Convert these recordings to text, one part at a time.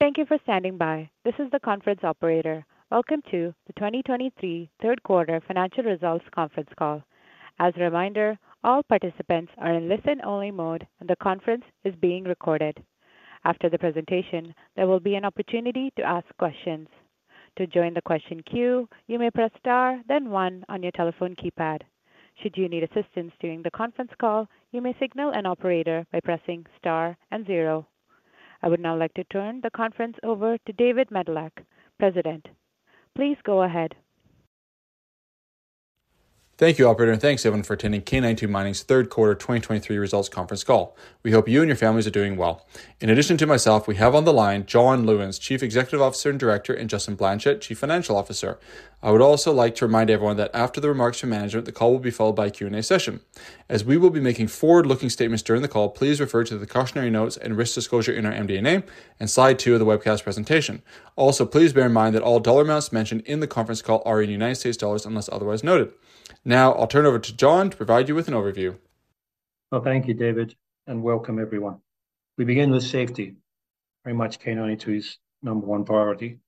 Thank you for standing by. This is the conference operator. Welcome to the 2023 third quarter financial results conference call. As a reminder, all participants are in listen-only mode, and the conference is being recorded. After the presentation, there will be an opportunity to ask questions. To join the question queue, you may press star then one on your telephone keypad. Should you need assistance during the conference call, you may signal an operator by pressing star and zero. I would now like to turn the conference over to David Medilek, President. Please go ahead. Thank you, Operator, and thanks everyone for attending K92 Mining's third quarter 2023 results conference call. We hope you and your families are doing well. In addition to myself, we have on the line John Lewins, Chief Executive Officer and Director, and Justin Blanchet, Chief Financial Officer. I would also like to remind everyone that after the remarks from management, the call will be followed by a Q&A session. As we will be making forward-looking statements during the call, please refer to the cautionary notes and risk disclosure in our MD&A and Slide 2 of the webcast presentation. Also, please bear in mind that all dollar amounts mentioned in the conference call are in United States dollars, unless otherwise noted. Now, I'll turn it over to John to provide you with an overview. Well, thank you, David, and welcome everyone. We begin with safety, very much K92's number one priority.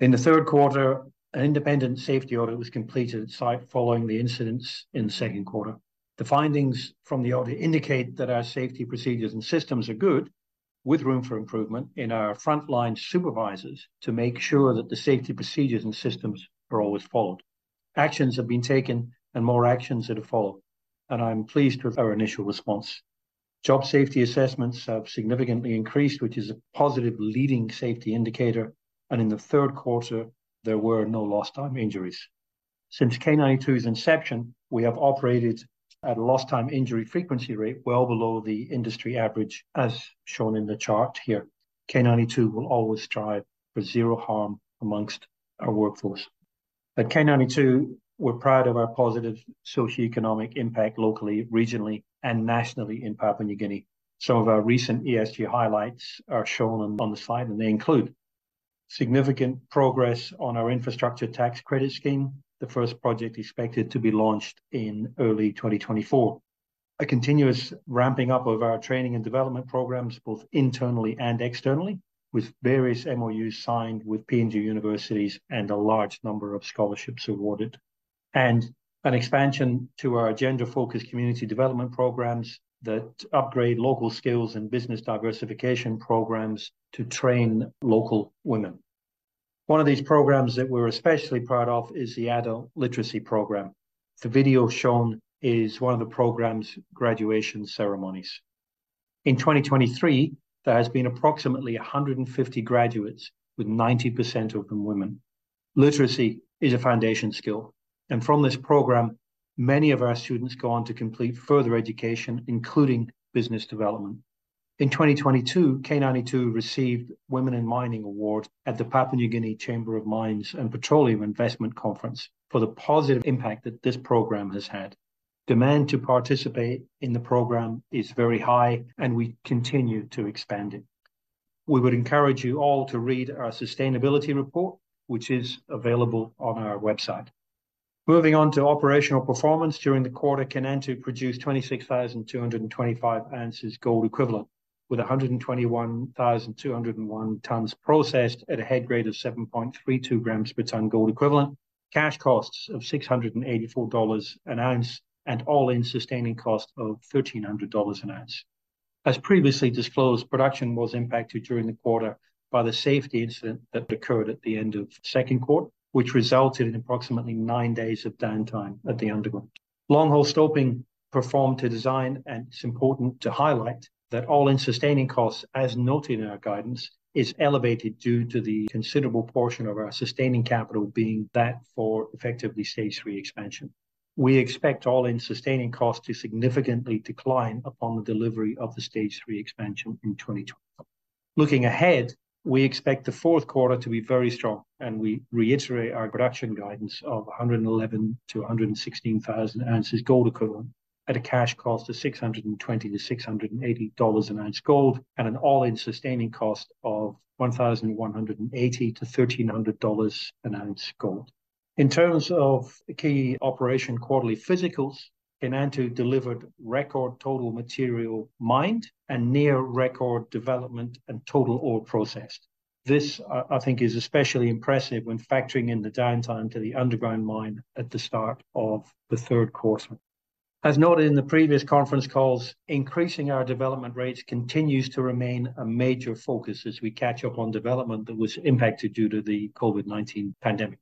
In the third quarter, an independent safety audit was completed at site following the incidents in the second quarter. The findings from the audit indicate that our safety procedures and systems are good, with room for improvement in our frontline supervisors to make sure that the safety procedures and systems are always followed. Actions have been taken and more actions are to follow, and I'm pleased with our initial response. Job safety assessments have significantly increased, which is a positive leading safety indicator, and in the third quarter, there were no lost time injuries. Since K92's inception, we have operated at a lost time injury frequency rate well below the industry average, as shown in the chart here. K92 will always strive for zero harm amongst our workforce. At K92, we're proud of our positive socioeconomic impact locally, regionally, and nationally in Papua New Guinea. Some of our recent ESG highlights are shown on the slide, and they include: significant progress on our Infrastructure Tax Credit Scheme, the first project expected to be launched in early 2024. A continuous ramping up of our training and development programs, both internally and externally, with various MOUs signed with PNG universities and a large number of scholarships awarded. And an expansion to our gender-focused community development programs that upgrade local skills and business diversification programs to train local women. One of these programs that we're especially proud of is the Adult Literacy Program. The video shown is one of the program's graduation ceremonies. In 2023, there has been approximately 150 graduates, with 90% of them women. Literacy is a foundation skill, and from this program, many of our students go on to complete further education, including business development. In 2022, K92 received Women in Mining Award at the Papua New Guinea Chamber of Mines and Petroleum Investment Conference for the positive impact that this program has had. Demand to participate in the program is very high, and we continue to expand it. We would encourage you all to read our sustainability report, which is available on our website. Moving on to operational performance. During the quarter, Kainantu produced 26,225 ounces gold equivalent, with 121,201 tons processed at a head grade of 7.32 grams per ton gold equivalent, cash costs of $684 an ounce, and all-in sustaining cost of $1,300 an ounce. As previously disclosed, production was impacted during the quarter by the safety incident that occurred at the end of the second quarter, which resulted in approximately 9 days of downtime at the underground. Longhole stoping performed to design, and it's important to highlight that all-in sustaining costs, as noted in our guidance, is elevated due to the considerable portion of our sustaining capital being that for effectively Stage 3 expansion. We expect all-in sustaining costs to significantly decline upon the delivery of the Stage 3 expansion in 2024. Looking ahead, we expect the fourth quarter to be very strong, and we reiterate our production guidance of 111,000-116,000 ounces gold equivalent at a cash cost of $620-$680 an ounce gold and an all-in sustaining cost of $1,180-$1,300 an ounce gold. In terms of key operation quarterly physicals, Kainantu delivered record total material mined and near record development and total ore processed. This, I think, is especially impressive when factoring in the downtime to the underground mine at the start of the third quarter. As noted in the previous conference calls, increasing our development rates continues to remain a major focus as we catch up on development that was impacted due to the COVID-19 pandemic.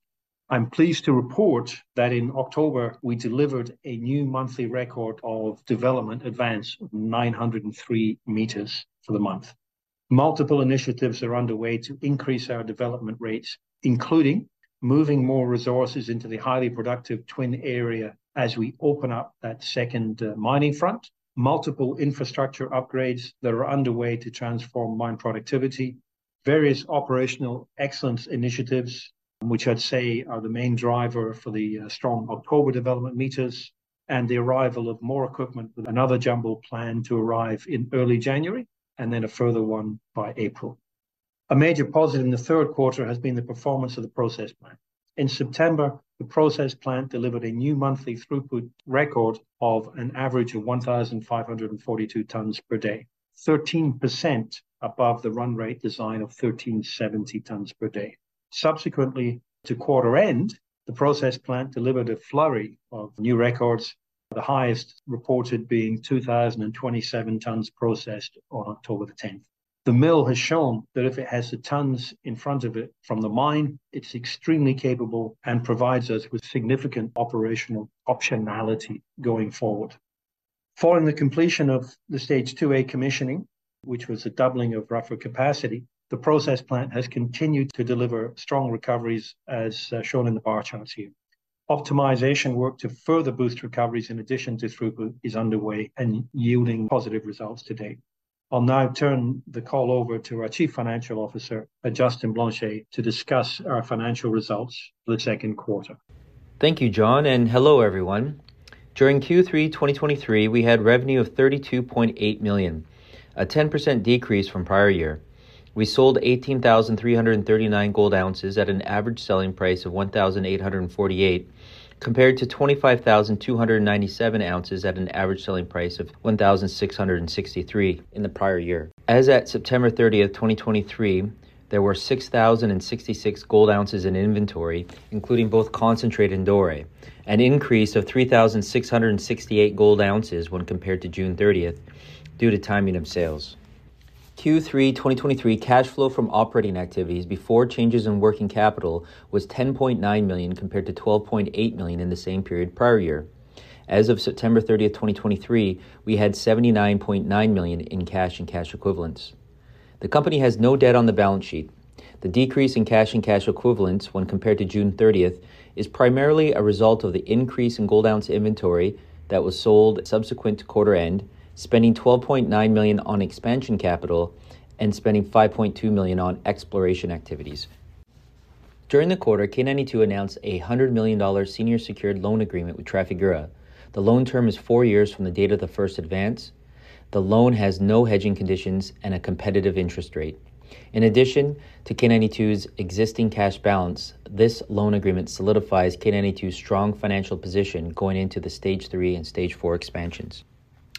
I'm pleased to report that in October, we delivered a new monthly record of development advance of 903 m for the month. Multiple initiatives are underway to increase our development rates, including moving more resources into the highly productive Twin area as we open up that second mining front, multiple infrastructure upgrades that are underway to transform mine productivity, various operational excellence initiatives, which I'd say are the main driver for the strong October development meters, and the arrival of more equipment, with another jumbo planned to arrive in early January, and then a further one by April. A major positive in the third quarter has been the performance of the process plant. In September, the process plant delivered a new monthly throughput record of an average of 1,542 tons per day, 13% above the run rate design of 1,370 tons per day. Subsequently, to quarter end, the process plant delivered a flurry of new records, the highest reported being 2,027 tons processed on October 10. The mill has shown that if it has the tons in front of it from the mine, it's extremely capable and provides us with significant operational optionality going forward. Following the completion of the Stage 2A commissioning, which was a doubling of rougher capacity, the process plant has continued to deliver strong recoveries, as shown in the bar charts here. Optimization work to further boost recoveries in addition to throughput is underway and yielding positive results to date. I'll now turn the call over to our Chief Financial Officer, Justin Blanchet, to discuss our financial results for the second quarter. Thank you, John, and hello, everyone. During Q3 2023, we had revenue of $32.8 million, a 10% decrease from prior year. We sold 18,339 gold ounces at an average selling price of $1,848, compared to 25,297 ounces at an average selling price of $1,663 in the prior year. As at September 30, 2023, there were 6,066 gold ounces in inventory, including both concentrate and doré, an increase of 3,668 gold ounces when compared to June 30, due to timing of sales. Q3 2023 cash flow from operating activities before changes in working capital was $10.9 million, compared to $12.8 million in the same period prior year. As of September 30, 2023, we had $79.9 million in cash and cash equivalents. The company has no debt on the balance sheet. The decrease in cash and cash equivalents when compared to June 30, is primarily a result of the increase in gold ounce inventory that was sold subsequent to quarter end, spending $12.9 million on expansion capital, and spending $5.2 million on exploration activities. During the quarter, K92 announced a $100 million senior secured loan agreement with Trafigura. The loan term is 4 years from the date of the first advance. The loan has no hedging conditions and a competitive interest rate. In addition to K92's existing cash balance, this loan agreement solidifies K92's strong financial position going into the Stage 3 and Stage 4 expansions.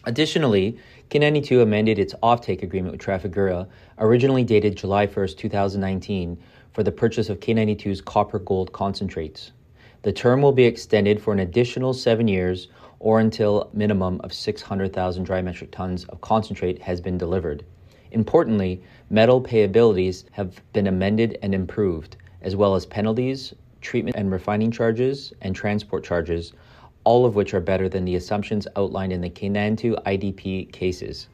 Additionally, K92 amended its offtake agreement with Trafigura, originally dated July 1, 2019, for the purchase of K92's copper-gold concentrates. The term will be extended for an additional 7 years, or until minimum of 600,000 dry metric tons of concentrate has been delivered. Importantly, metal payabilities have been amended and improved, as well as penalties, treatment and refining charges, and transport charges, all of which are better than the assumptions outlined in the K92 IDP cases.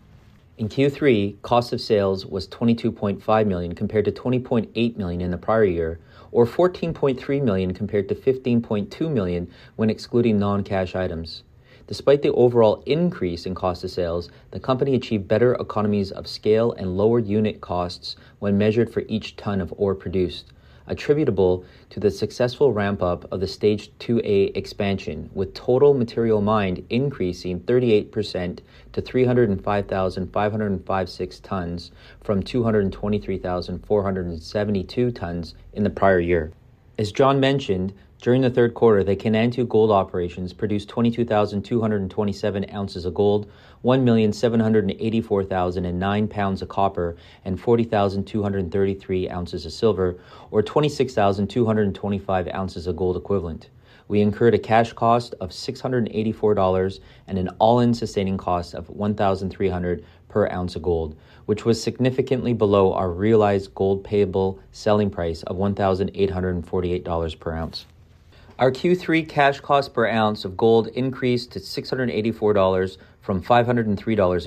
In Q3, cost of sales was $22.5 million, compared to $20.8 million in the prior year, or $14.3 million compared to $15.2 million when excluding non-cash items. Despite the overall increase in cost of sales, the company achieved better economies of scale and lower unit costs when measured for each ton of ore produced, attributable to the successful ramp-up of the Stage 2A expansion, with total material mined increasing 38% to 305,556 tons from 223,472 tons in the prior year. As John mentioned, during the third quarter, the Kainantu gold operations produced 22,227 ounces of gold, 1,784,009 pounds of copper, and 40,233 ounces of silver, or 26,225 ounces of gold equivalent. We incurred a cash cost of $684 and an all-in sustaining cost of $1,300 per ounce of gold, which was significantly below our realized gold payable selling price of $1,848 per ounce. Our Q3 cash cost per ounce of gold increased to $684 from $503 in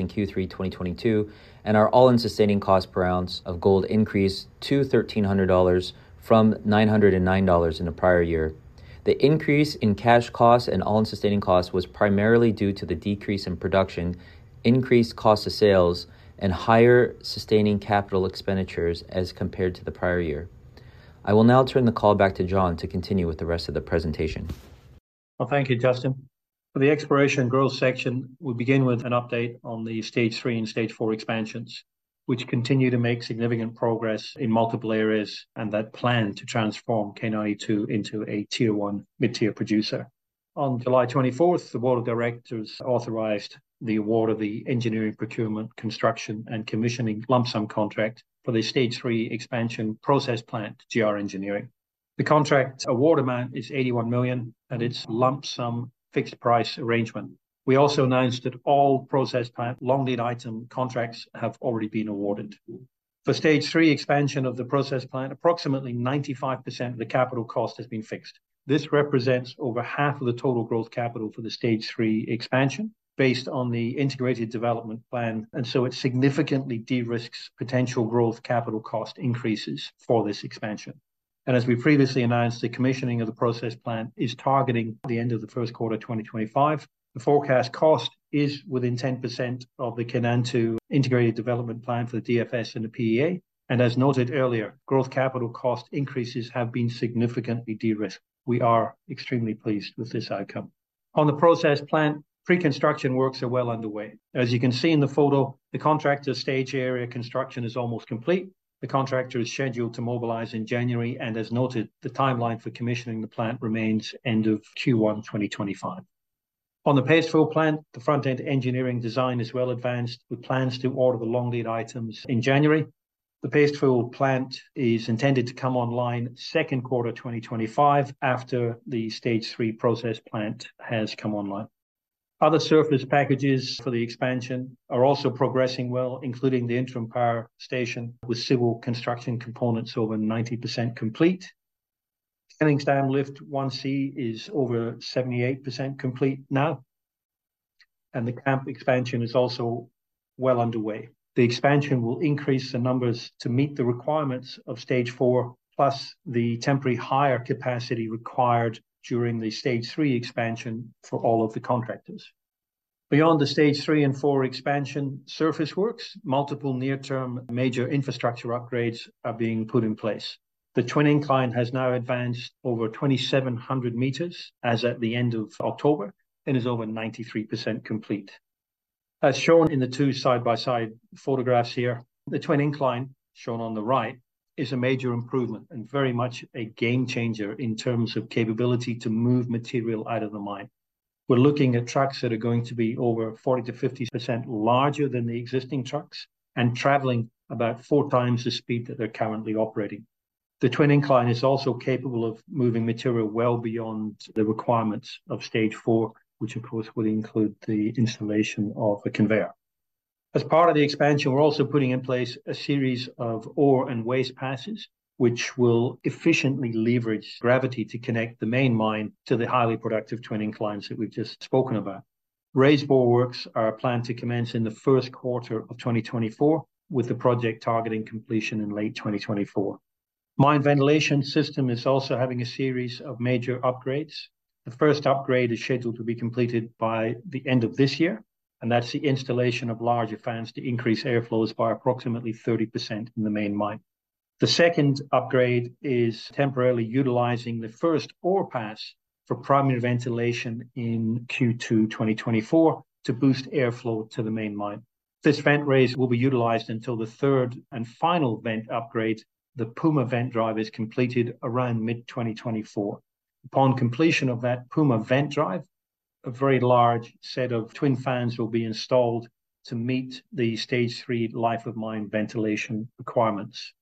Q3 2022, and our all-in sustaining cost per ounce of gold increased to $1,300 from $909 in the prior year. The increase in cash costs and all-in sustaining costs was primarily due to the decrease in production, increased cost of sales, and higher sustaining capital expenditures as compared to the prior year. I will now turn the call back to John to continue with the rest of the presentation. Well, thank you, Justin. For the exploration growth section, we'll begin with an update on the Stage 3 and Stage 4 expansions, which continue to make significant progress in multiple areas and that plan to transform K92 into a Tier-1 mid-tier producer. On July 24th, the board of directors authorized the award of the engineering, procurement, construction, and commissioning lump sum contract for the Stage 3 expansion process plant, GR Engineering. The contract award amount is $81 million, and it's a lump sum fixed price arrangement. We also announced that all process plant long lead item contracts have already been awarded. For Stage 3 expansion of the process plant, approximately 95% of the capital cost has been fixed. This represents over half of the total growth capital for the Stage 3 expansion, based on the integrated development plan, and so it significantly de-risks potential growth capital cost increases for this expansion. As we previously announced, the commissioning of the process plant is targeting the end of the first quarter, 2025. The forecast cost is within 10% of the K92 Integrated Development Plan for the DFS and the PEA. As noted earlier, growth capital cost increases have been significantly de-risked. We are extremely pleased with this outcome. On the process plant, pre-construction works are well underway. As you can see in the photo, the contractor stage area construction is almost complete. The contractor is scheduled to mobilize in January, and as noted, the timeline for commissioning the plant remains end of Q1 2025. On the paste fill plant, the front-end engineering design is well advanced, with plans to order the long lead items in January. The paste fill plant is intended to come online second quarter 2025, after the Stage 3 process plant has come online. Other surface packages for the expansion are also progressing well, including the interim power station, with civil construction components over 90% complete. Tailings Dam Lift 1C is over 78% complete now, and the camp expansion is also well underway. The expansion will increase the numbers to meet the requirements of Stage 4, plus the temporary higher capacity required during the Stage 3 expansion for all of the contractors. Beyond the Stage 3 and Stage 4 expansion surface works, multiple near-term major infrastructure upgrades are being put in place. The Twin Incline has now advanced over 2,700 meters, as at the end of October, and is over 93% complete. As shown in the two side-by-side photographs here, the Twin Incline, shown on the right, is a major improvement and very much a game changer in terms of capability to move material out of the mine. We're looking at trucks that are going to be over 40%-50% larger than the existing trucks and traveling about 4 times the speed that they're currently operating. The Twin Incline is also capable of moving material well beyond the requirements of Stage 4, which of course, will include the installation of a conveyor. As part of the expansion, we're also putting in place a series of ore and waste passes, which will efficiently leverage gravity to connect the main mine to the highly productive Twin Inclines that we've just spoken about. Raise bore works are planned to commence in the first quarter of 2024, with the project targeting completion in late 2024. Mine ventilation system is also having a series of major upgrades. The first upgrade is scheduled to be completed by the end of this year, and that's the installation of larger fans to increase airflows by approximately 30% in the main mine. The second upgrade is temporarily utilizing the first ore pass for primary ventilation in Q2 2024 to boost airflow to the main mine. This vent raise will be utilized until the third and final vent upgrade, the Puma vent drive, is completed around mid-2024. Upon completion of that Puma vent drive, a very large set of twin fans will be installed to meet the Stage 3 life of mine ventilation requirements.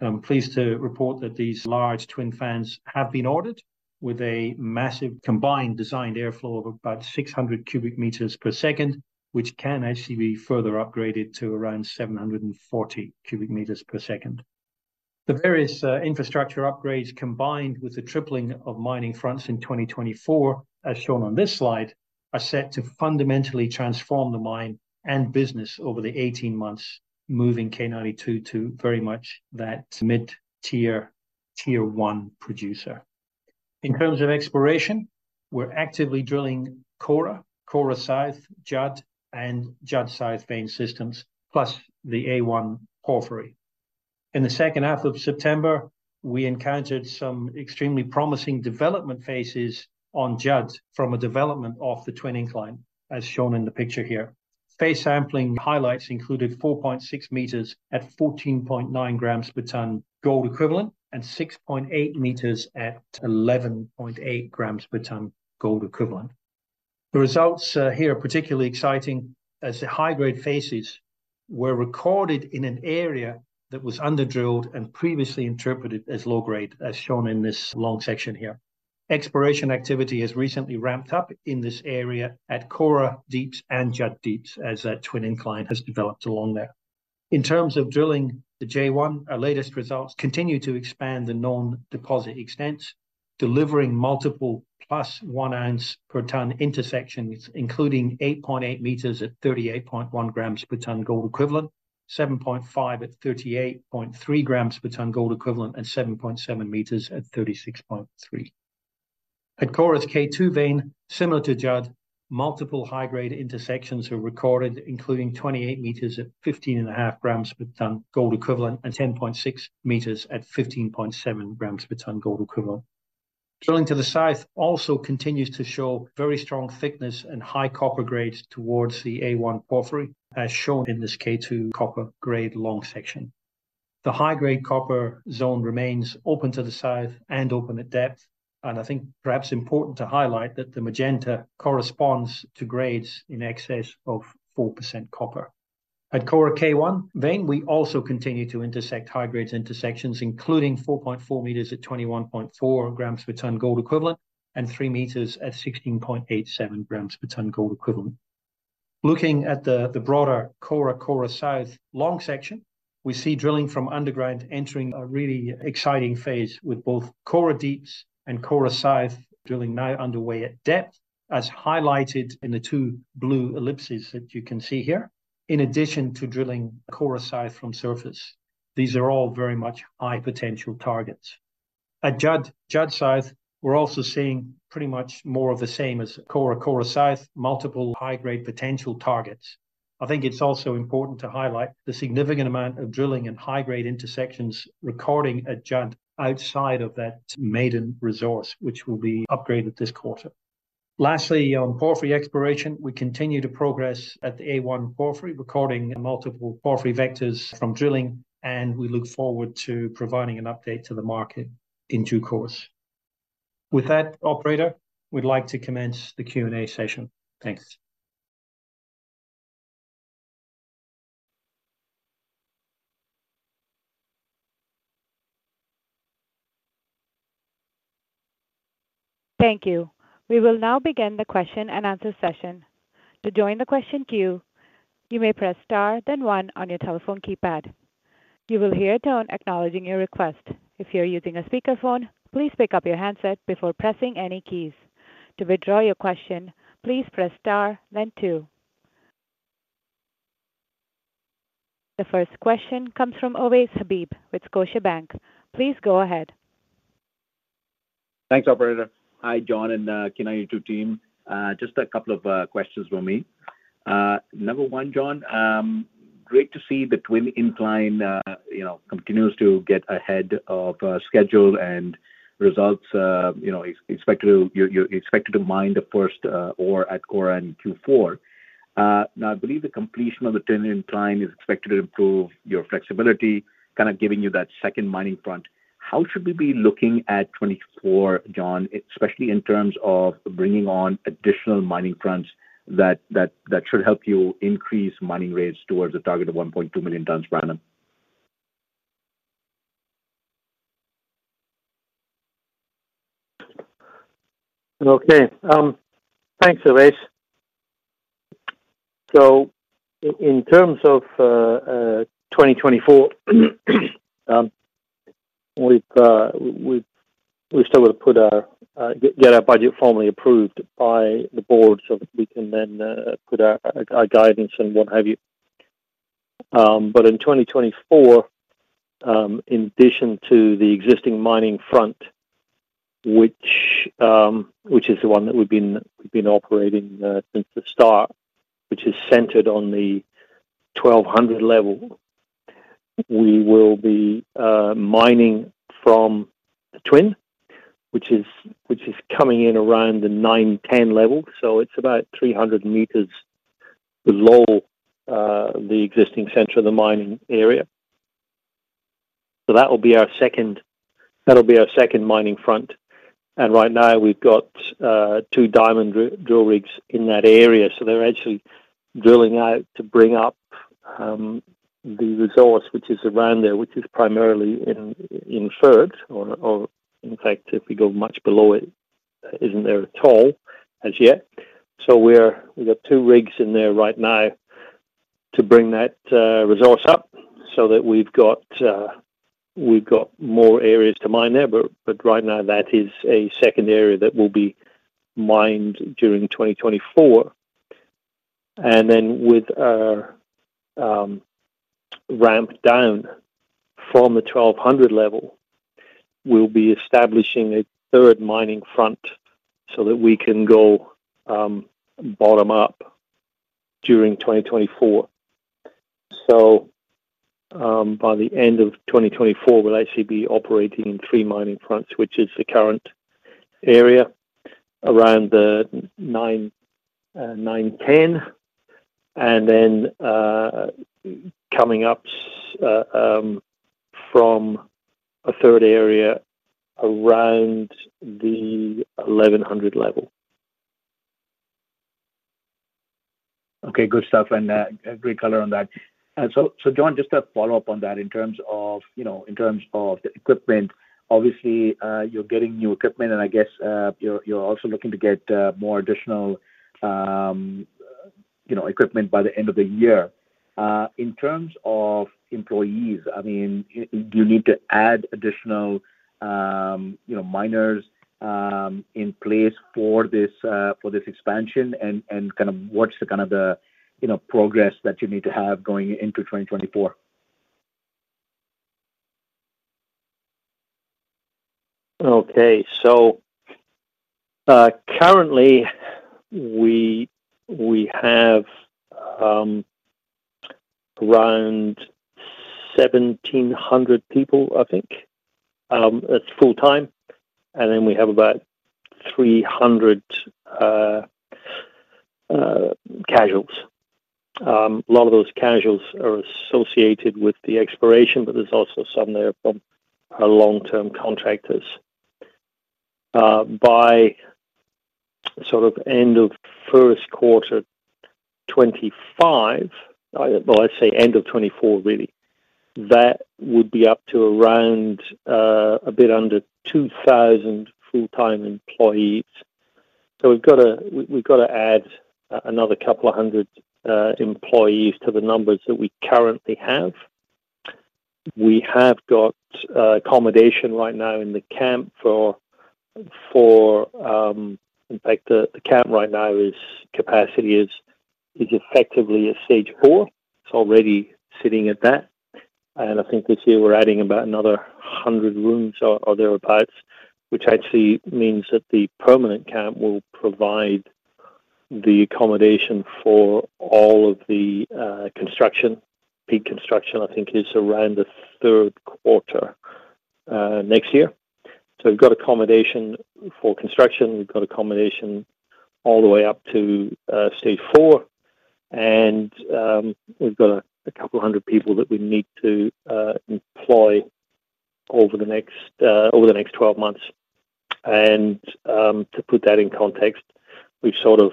I'm pleased to report that these large twin fans have been ordered with a massive combined designed airflow of about 600 cubic meters per second, which can actually be further upgraded to around 740 cubic meters per second. The various infrastructure upgrades, combined with the tripling of mining fronts in 2024, as shown on this Slide, are set to fundamentally transform the mine and business over the 18 months, moving K92 to very much that mid-tier, Tier-1 producer. In terms of exploration, we're actively drilling Kora-Kora South, Judd-Judd South Vein Systems, plus the A1 porphyry. In the second half of September, we encountered some extremely promising development phases on Judd from a development of the Twin Incline, as shown in the picture here. Face sampling highlights included 4.6 meters at 14.9 grams per tonne gold equivalent, and 6.8 meters at 11.8 grams per tonne gold equivalent. The results here are particularly exciting, as the high-grade phases were recorded in an area that was under-drilled and previously interpreted as low grade, as shown in this long section here. Exploration activity has recently ramped up in this area at Kora Deeps and Judd Deeps, as a Twin Incline has developed along there. In terms of drilling, the J1, our latest results continue to expand the known deposit extents, delivering multiple +1 ounce per tonne intersections, including 8.8 meters at 38.1 grams per tonne gold equivalent, 7.5 at 38.3 grams per tonne gold equivalent, and 7.7 meters at 36.3. At Kora's K2 vein, similar to Judd, multiple high-grade intersections were recorded, including 28 meters at 15.5 grams per tonne gold equivalent, and 10.6 meters at 15.7 grams per tonne gold equivalent. Drilling to the south also continues to show very strong thickness and high copper grades towards the A1 porphyry, as shown in this K2 copper grade long section. The high-grade copper zone remains open to the south and open at depth, and I think perhaps important to highlight that the magenta corresponds to grades in excess of 4% copper. At Kora K1 vein, we also continue to intersect high-grade intersections, including 4.4 meters at 21.4 grams per tonne gold equivalent, and 3 meters at 16.87 grams per tonne gold equivalent. Looking at the broader Kora-Kora South long section, we see drilling from underground entering a really exciting phase with both Kora Deeps and Kora South drilling now underway at depth, as highlighted in the 2 blue ellipses that you can see here. In addition to drilling Kora South from surface, these are all very much high-potential targets. At Judd-Judd South, we're also seeing pretty much more of the same as Kora-Kora South, multiple high-grade potential targets.... I think it's also important to highlight the significant amount of drilling and high-grade intersections recording at Judd outside of that maiden resource, which will be upgraded this quarter. Lastly, on porphyry exploration, we continue to progress at the A1 porphyry, recording multiple porphyry vectors from drilling, and we look forward to providing an update to the market in due course. With that, operator, we'd like to commence the Q&A session. Thanks. Thank you. We will now begin the question and answer session. To join the question queue, you may press star then one on your telephone keypad. You will hear a tone acknowledging your request. If you're using a speakerphone, please pick up your handset before pressing any keys. To withdraw your question, please press star then two. The first question comes from Ovais Habib with Scotiabank. Please go ahead. Thanks, operator. Hi, John, and K92 team. Just a couple of questions from me. Number one, John, great to see the Twin Incline, you know, continues to get ahead of schedule and results, you know, expected to... You're expected to mine the first ore at Kora in Q4. Now, I believe the completion of the Twin Incline is expected to improve your flexibility, kind of giving you that second mining front. How should we be looking at 2024, John, especially in terms of bringing on additional mining fronts that should help you increase mining rates towards a target of 1.2 million tons per annum? Okay. Thanks, Ovais. So in terms of 2024, we've still got to get our budget formally approved by the board so we can then put our guidance and what have you. But in 2024, in addition to the existing mining front, which is the one that we've been operating since the start, which is centered on the 1,200 level, we will be mining from the twin, which is coming in around the 910 level. So it's about 300 meters below the existing center of the mining area. So that will be our second mining front, and right now, we've got 2 diamond drill rigs in that area. So they're actually drilling out to bring up the resource, which is around there, which is primarily Inferred, or, or in fact, if we go much below it, isn't there at all as yet. So we got two rigs in there right now to bring that resource up so that we've got more areas to mine there, but right now that is a second area that will be mined during 2024. And then with our ramp down from the 1200 level, we'll be establishing a third mining front so that we can go bottom up during 2024. By the end of 2024, we'll actually be operating in three mining fronts, which is the current area around the 900, 910, and then, coming up, from a third area around the 1,100 level. Okay, good stuff, and, great color on that. And so, so John, just a follow-up on that in terms of, you know, in terms of the equipment. Obviously, you're getting new equipment, and I guess, you're also looking to get, more additional, you know, equipment by the end of the year. In terms of employees, I mean, you need to add additional, you know, miners, in place for this, for this expansion? And, kind of what's the kind of the, you know, progress that you need to have going into 2024? Okay. So, currently, we have around 1,700 people, I think, that's full time, and then we have about 300 casuals. A lot of those casuals are associated with the exploration, but there's also some there from long-term contractors. By sort of end of first quarter 2025, well, let's say end of 2024, really, that would be up to around a bit under 2,000 full-time employees. So we've got to add another couple of hundred employees to the numbers that we currently have. We have got accommodation right now in the camp for... In fact, the camp right now is capacity is effectively Stage 4. It's already sitting at that. I think this year we're adding about another 100 rooms or thereabouts, which actually means that the permanent camp will provide the accommodation for all of the construction. Peak construction, I think, is around the third quarter next year. So we've got accommodation for construction, we've got accommodation all the way up to Stage 4, and we've got a couple of 100 people that we need to employ over the next 12 months. And to put that in context, we've sort of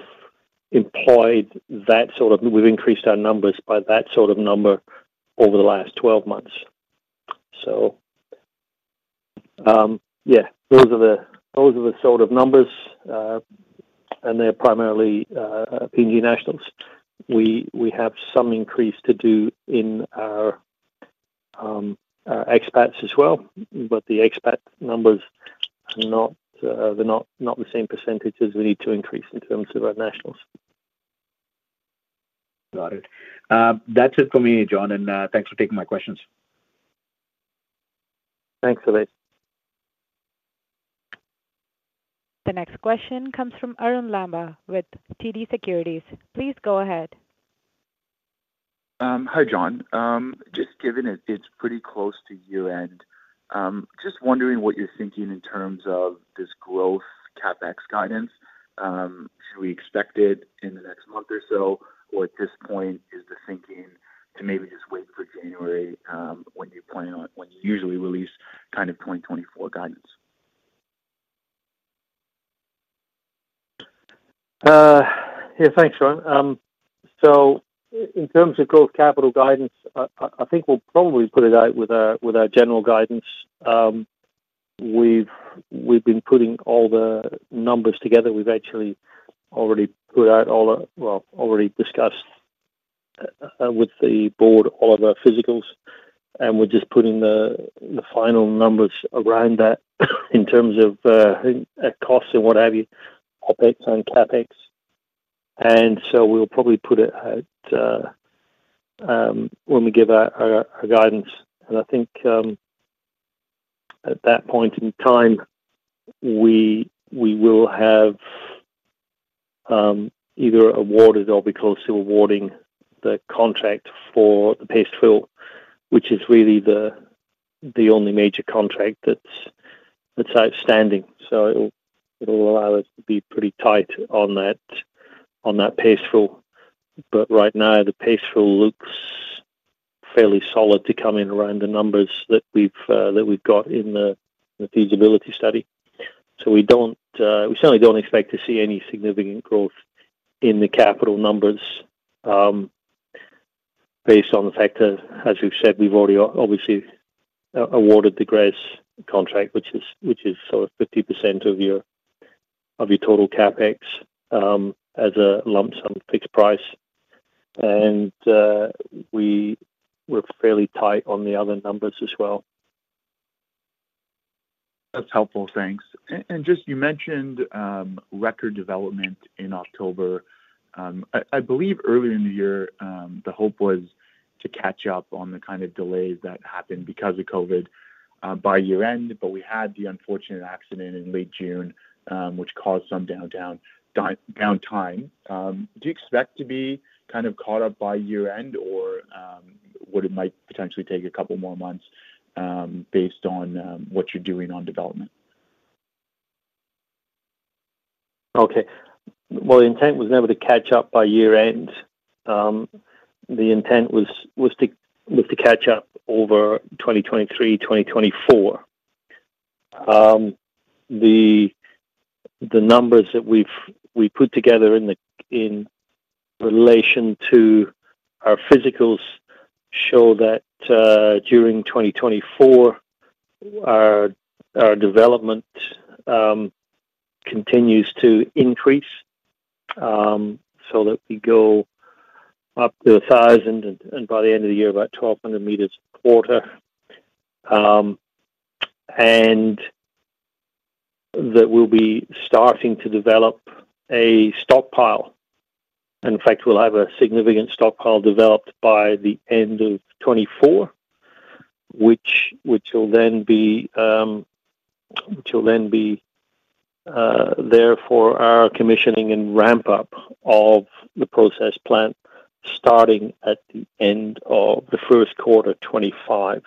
employed that sort of—we've increased our numbers by that sort of number over the last 12 months. So yeah, those are the sort of numbers, and they're primarily PNG nationals. We have some increase to do in our expats as well, but the expat numbers are not the same percentages we need to increase in terms of our nationals. Got it. That's it for me, John, and thanks for taking my questions. Thanks, Ovais. The next question comes from Arun Lamba with TD Securities. Please go ahead. Hi, John. Just given it, it's pretty close to year-end, just wondering what you're thinking in terms of this growth CapEx guidance. Should we expect it in the next month or so, or at this point, is the thinking to maybe just wait for January, when you usually release kind of 2024 guidance? Yeah, thanks, Arun. So in terms of growth capital guidance, I think we'll probably put it out with our general guidance. We've been putting all the numbers together. We've actually already discussed with the board all of our physicals, and we're just putting the final numbers around that in terms of costs and what have you, OpEx and CapEx. So we'll probably put it out when we give our guidance. And I think at that point in time, we will have either awarded or be close to awarding the contract for the paste fill, which is really the only major contract that's outstanding. So it'll allow us to be pretty tight on that paste fill. But right now, the paste fill looks fairly solid to come in around the numbers that we've, that we've got in the, the feasibility study. So we don't, we certainly don't expect to see any significant growth in the capital numbers, based on the fact that, as we've said, we've already obviously awarded the GRES contract, which is, which is sort of 50% of your, of your total CapEx, as a lump sum fixed price. And, we were fairly tight on the other numbers as well. That's helpful. Thanks. And just you mentioned, record development in October. I believe earlier in the year, the hope was to catch up on the kind of delays that happened because of COVID, by year-end, but we had the unfortunate accident in late June, which caused some downtime. Do you expect to be kind of caught up by year-end, or would it might potentially take a couple more months, based on what you're doing on development? Okay. Well, the intent was never to catch up by year-end. The intent was to catch up over 2023, 2024. The numbers that we've put together in relation to our physicals show that during 2024, our development continues to increase, so that we go up to 1,000, and by the end of the year, about 1,200 m a quarter. And that we'll be starting to develop a stockpile. In fact, we'll have a significant stockpile developed by the end of 2024, which will then be there for our commissioning and ramp up of the process plant, starting at the end of the first quarter 2025.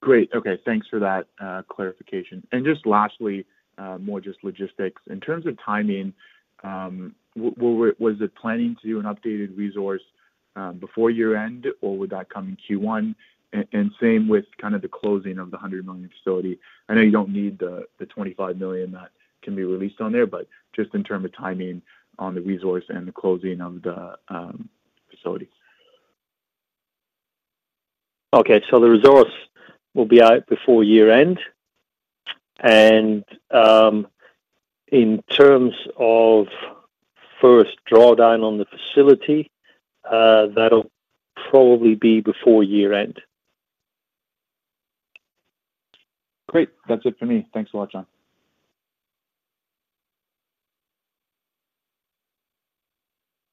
Great. Okay, thanks for that, clarification. And just lastly, more just logistics. In terms of timing, was it planning to do an updated resource, before year-end, or would that come in Q1? And same with kind of the closing of the $100 million facility. I know you don't need the $25 million that can be released on there, but just in terms of timing on the resource and the closing of the facility. Okay, so the resource will be out before year-end, and in terms of first drawdown on the facility, that'll probably be before year-end.... Great! That's it for me. Thanks a lot, John.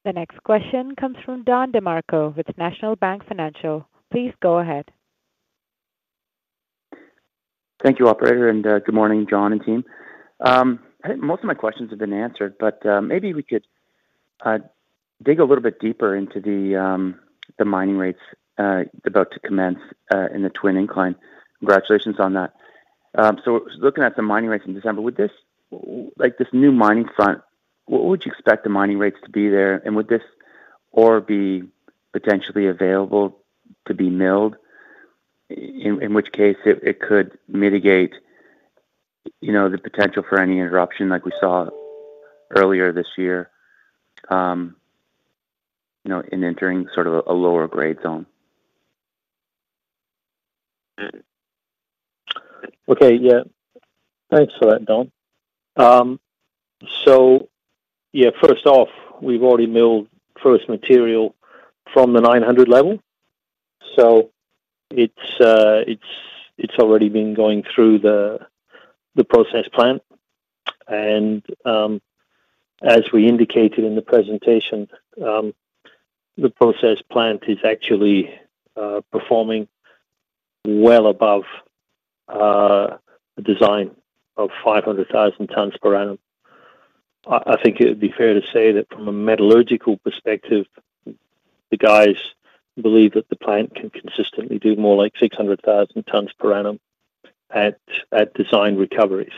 The next question comes from Don DeMarco with National Bank Financial. Please go ahead. Thank you, operator, and good morning, John and team. I think most of my questions have been answered, but maybe we could dig a little bit deeper into the mining rates about to commence in the Twin Incline. Congratulations on that. So looking at the mining rates in December, would this, like, this new mining front, what would you expect the mining rates to be there? And would this ore be potentially available to be milled, in which case it could mitigate, you know, the potential for any interruption like we saw earlier this year, you know, in entering sort of a lower grade zone? Okay. Yeah. Thanks for that, Don. So yeah, first off, we've already milled first material from the 900 level, so it's already been going through the process plant. And, as we indicated in the presentation, the process plant is actually performing well above the design of 500,000 tons per annum. I think it would be fair to say that from a metallurgical perspective, the guys believe that the plant can consistently do more like 600,000 tons per annum at design recoveries.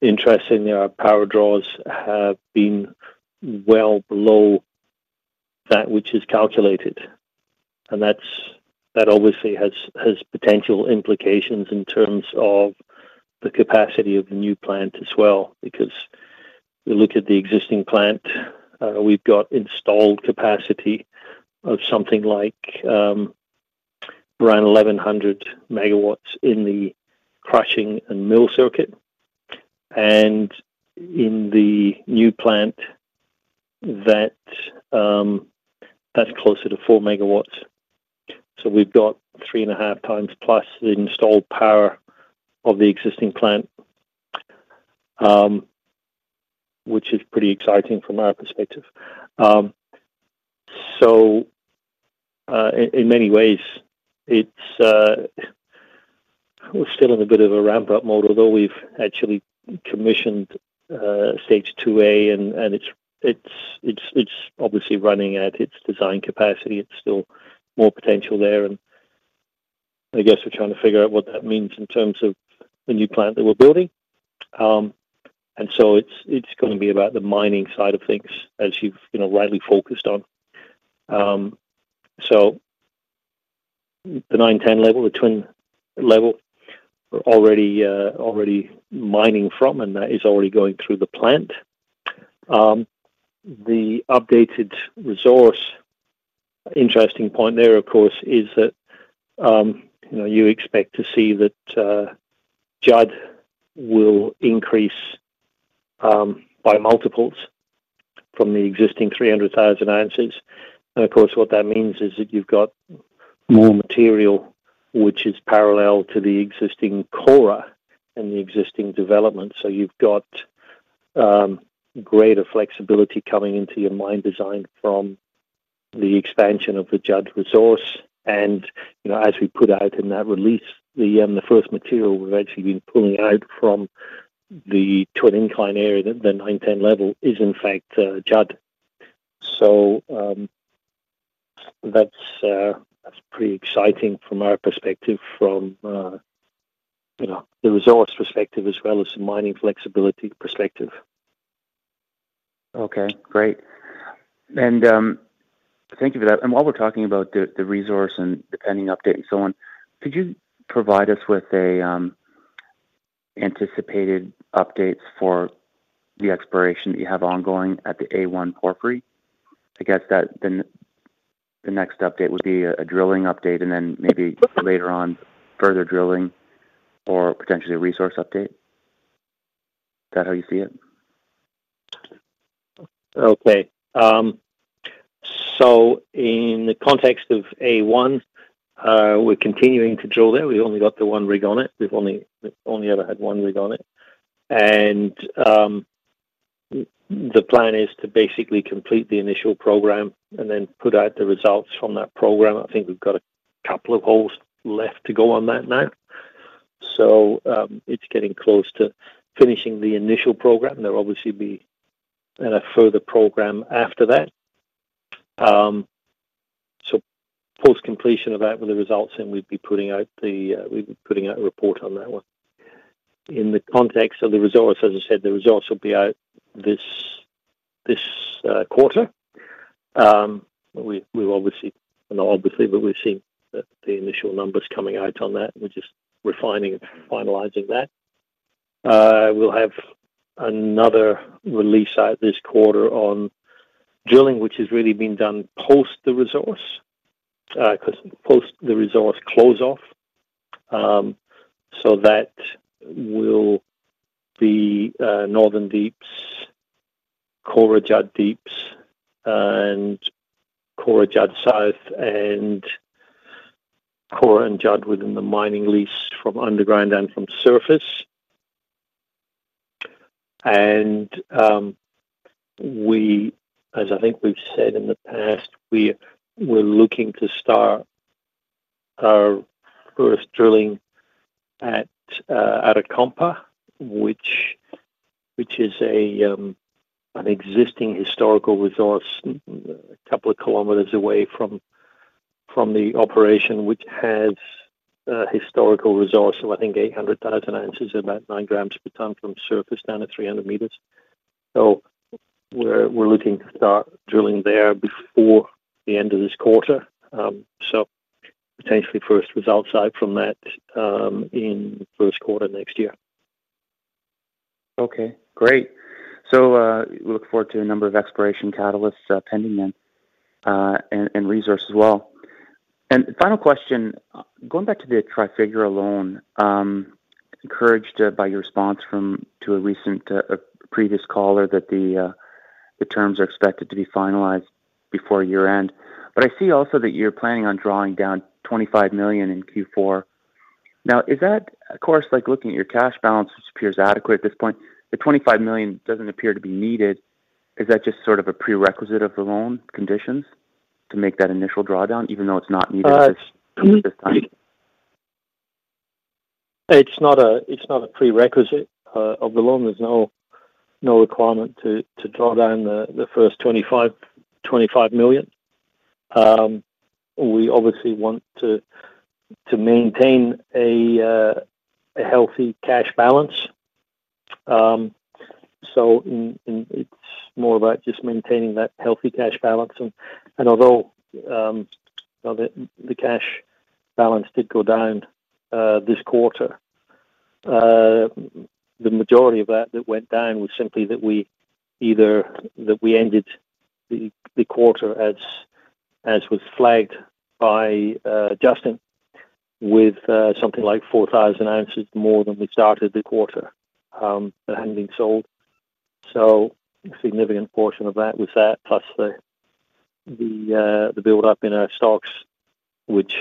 Interestingly, our power draws have been well below that which is calculated, and that's obviously has potential implications in terms of the capacity of the new plant as well. Because if you look at the existing plant, we've got installed capacity of something like around 1.1 MW in the crushing and mill circuit. And in the new plant, that's closer to 4 MW. So we've got 3.5x plus the installed power of the existing plant, which is pretty exciting from our perspective. So in many ways, it's... We're still in a bit of a ramp-up mode, although we've actually commissioned Stage 2A, and it's obviously running at its design capacity. It's still more potential there, and I guess we're trying to figure out what that means in terms of the new plant that we're building. And so it's gonna be about the mining side of things, as you've, you know, rightly focused on. So the 9-10 level, the twin level, we're already already mining from, and that is already going through the plant. The updated resource, interesting point there, of course, is that, you know, you expect to see that, Judd will increase by multiples from the existing 300,000 ounces. And, you know, as we put out in that release, the, the first material we've actually been pulling out from the Twin Incline area, the, the 9-10 level is in fact, Judd. So, that's pretty exciting from our perspective, you know, the resource perspective as well as the mining flexibility perspective. Okay, great. And thank you for that. And while we're talking about the resource and the pending update and so on, could you provide us with anticipated updates for the exploration that you have ongoing at the A1 porphyry? I guess that the next update would be a drilling update and then maybe later on, further drilling or potentially a resource update. Is that how you see it? Okay. So in the context of A1, we're continuing to drill there. We've only got the one rig on it. We've only, only ever had one rig on it. And, the plan is to basically complete the initial program and then put out the results from that program. I think we've got a couple of holes left to go on that now. So, it's getting close to finishing the initial program. There'll obviously be a further program after that. So post-completion of that with the results, then we'd be putting out the, we'd be putting out a report on that one. In the context of the results, as I said, the results will be out this, this, quarter. We, we've obviously, not obviously, but we've seen the, the initial numbers coming out on that. We're just refining and finalizing that. We'll have another release out this quarter on drilling, which is really being done post the resource, 'cause post the resource close off. So that will be Northern Deeps, Kora-Judd Deeps, and Kora-Judd South, and Kora and Judd within the mining lease from underground and from surface. And we, as I think we've said in the past, we were looking to start our first drilling at Arakompa, which is an existing historical resource a couple of kilometers away from the operation, which has historical results of, I think, 800,000 ounces, about 9 grams per tonne from surface down to 300 meters. So we're looking to start drilling there before the end of this quarter. So potentially first results out from that in the first quarter next year. Okay, great. So, we look forward to a number of exploration catalysts, pending then, and resource as well. And final question, going back to the Trafigura loan, encouraged by your response to a recent previous caller that the terms are expected to be finalized before year-end. But I see also that you're planning on drawing down $25 million in Q4. Now, is that, of course, like, looking at your cash balance, which appears adequate at this point, the $25 million doesn't appear to be needed. Is that just sort of a prerequisite of the loan conditions to make that initial drawdown, even though it's not needed at this time? It's not a prerequisite of the loan. There's no requirement to draw down the first $25 million. We obviously want to maintain a healthy cash balance. So it's more about just maintaining that healthy cash balance. And although you know the cash balance did go down this quarter, the majority of that went down was simply that we ended the quarter as was flagged by Justin with something like 4,000 ounces more than we started the quarter that hadn't been sold. So a significant portion of that was that, plus the buildup in our stocks, which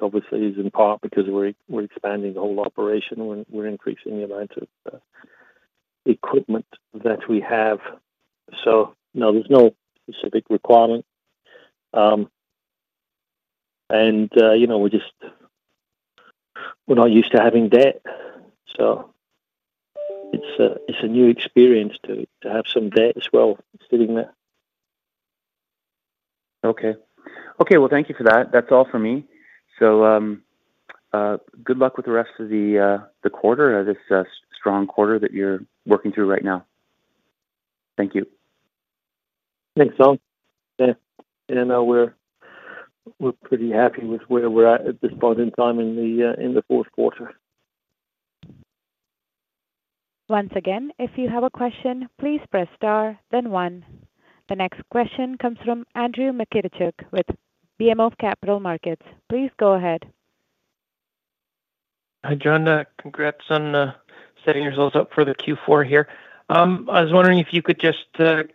obviously is in part because we're expanding the whole operation. We're increasing the amount of equipment that we have. So no, there's no specific requirement. You know, we're just, we're not used to having debt, so it's a, it's a new experience to, to have some debt as well sitting there. Okay. Okay, well, thank you for that. That's all for me. So, good luck with the rest of the quarter, this strong quarter that you're working through right now. Thank you. Thanks, Don. Yeah, and, we're pretty happy with where we're at this point in time in the fourth quarter. Once again, if you have a question, please press star, then one. The next question comes from Andrew Mikitchook with BMO Capital Markets. Please go ahead. Hi, John. Congrats on setting your results up for the Q4 here. I was wondering if you could just kind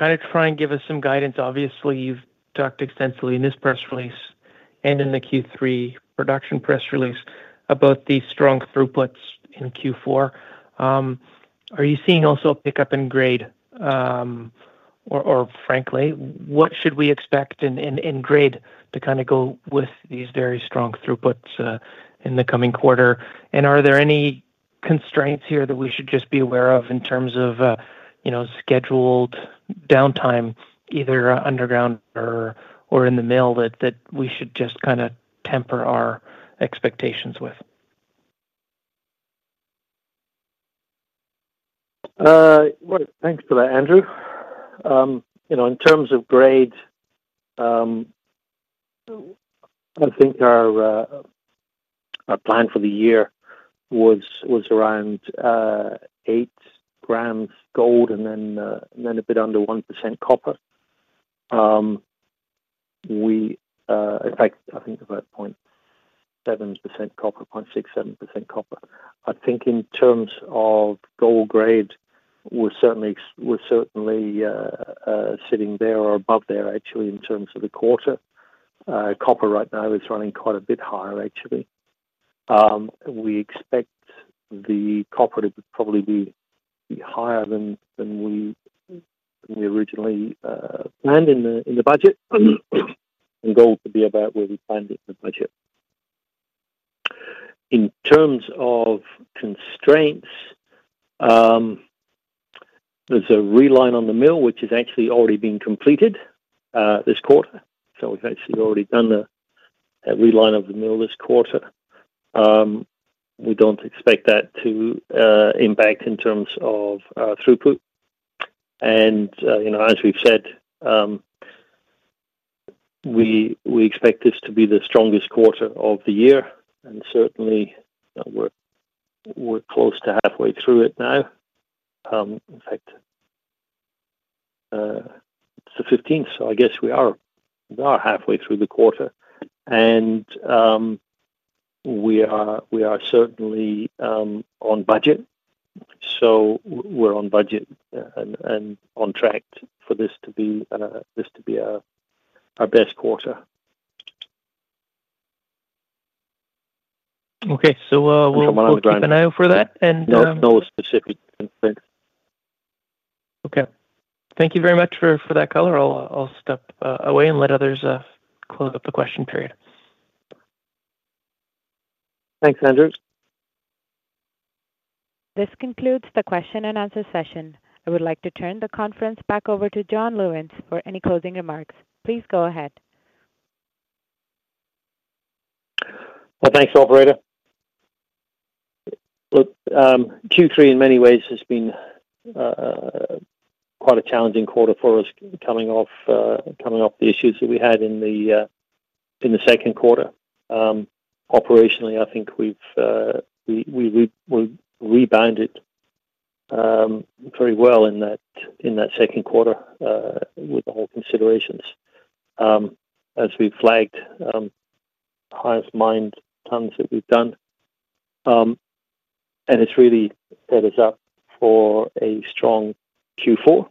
of try and give us some guidance. Obviously, you've talked extensively in this press release and in the Q3 production press release about the strong throughputs in Q4. Are you seeing also a pickup in grade, or frankly, what should we expect in grade to kind of go with these very strong throughputs in the coming quarter? And are there any constraints here that we should just be aware of in terms of you know, scheduled downtime, either underground or in the mill, that we should just kinda temper our expectations with? Well, thanks for that, Andrew. You know, in terms of grade, I think our plan for the year was around 8 grams gold and then a bit under 1% copper. We in fact, I think about 0.7% copper, 0.67% copper. I think in terms of gold grade, we're certainly sitting there or above there actually, in terms of the quarter. Copper right now is running quite a bit higher actually. We expect the copper to probably be higher than we originally planned in the budget, and gold to be about where we planned it in the budget. In terms of constraints, there's a reline on the mill, which is actually already been completed this quarter. So we've actually already done the reline of the mill this quarter. We don't expect that to impact in terms of throughput. And you know, as we've said, we expect this to be the strongest quarter of the year, and certainly, we're close to halfway through it now. It's the 15th, so I guess we are halfway through the quarter. We are certainly on budget. We're on budget and on track for this to be our best quarter. Okay. So, we'll- Coming on the ground... keep an eye out for that, and No, no specific things. Okay. Thank you very much for, for that color. I'll, I'll step away and let others close up the question period. Thanks, Andrew. This concludes the question and answer session. I would like to turn the conference back over to John Lewins for any closing remarks. Please go ahead. Well, thanks, operator. Look, Q3 in many ways has been quite a challenging quarter for us coming off the issues that we had in the second quarter. Operationally, I think we've rebounded very well in that second quarter with the whole considerations. As we flagged, highest mined tons that we've done, and it's really set us up for a strong Q4.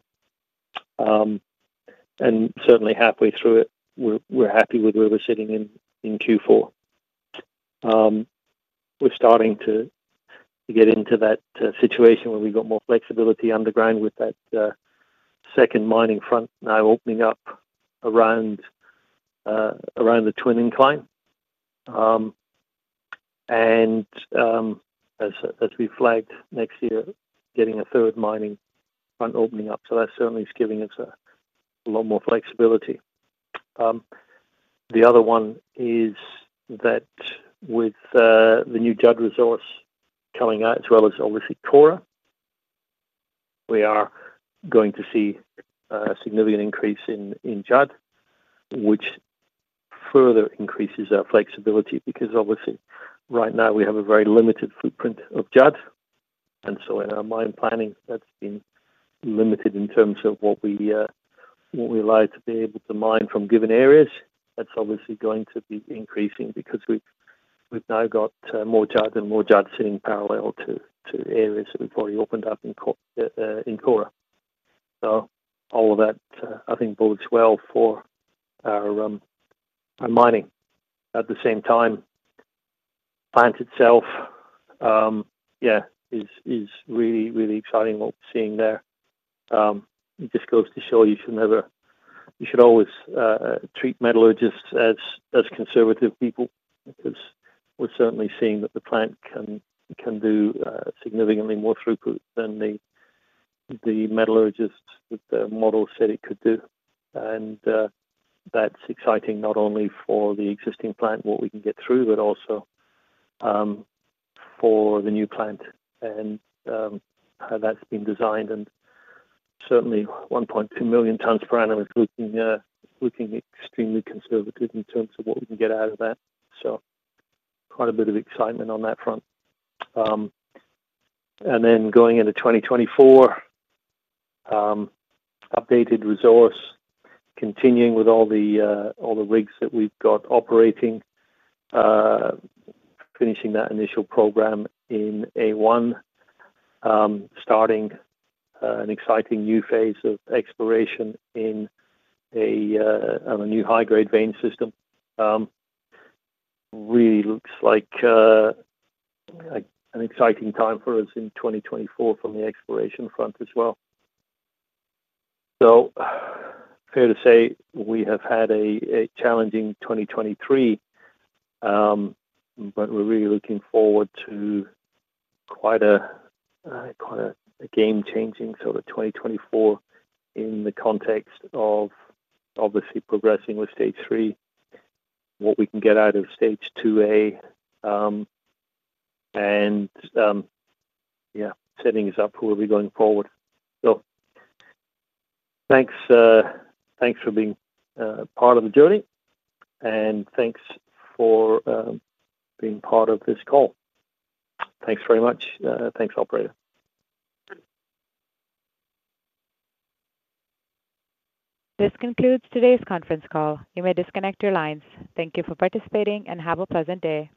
Certainly halfway through it, we're happy with where we're sitting in Q4. We're starting to get into that situation where we've got more flexibility underground with that second mining front now opening up around the Twin Incline. And, as we flagged next year, getting a third mining front opening up, so that certainly is giving us a lot more flexibility. The other one is that with the new Judd resource coming out, as well as obviously Kora, we are going to see a significant increase in Judd, which further increases our flexibility. Because obviously, right now, we have a very limited footprint of Judd, and so in our mine planning, that's been limited in terms of what we like to be able to mine from given areas. That's obviously going to be increasing because we've now got more Judd and more Judd sitting parallel to areas that we've already opened up in Kora. So all of that, I think bodes well for our mining. At the same time, plant itself is really, really exciting what we're seeing there. It just goes to show you should always treat metallurgists as conservative people, because we're certainly seeing that the plant can do significantly more throughput than the metallurgists, the model said it could do. And that's exciting not only for the existing plant, what we can get through, but also for the new plant and how that's been designed. And certainly, 1.2 million tons per annum is looking extremely conservative in terms of what we can get out of that. So quite a bit of excitement on that front. And then going into 2024, updated resource, continuing with all the, all the rigs that we've got operating, finishing that initial program in A1, starting an exciting new phase of exploration in a, on a new high-grade vein system. Really looks like an exciting time for us in 2024 from the exploration front as well. So fair to say, we have had a, a challenging 2023, but we're really looking forward to quite a, quite a, a game-changing sort of 2024 in the context of obviously progressing with Stage 3, what we can get out of Stage 2A, and, yeah, setting us up where we'll be going forward. So thanks, thanks for being part of the journey, and thanks for being part of this call. Thanks very much. Thanks, operator. This concludes today's conference call. You may disconnect your lines. Thank you for participating, and have a pleasant day.